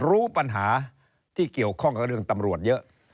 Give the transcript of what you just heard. รู้ปัญหาที่เกี่ยวข้องกับเรื่องตำรวจเยอะ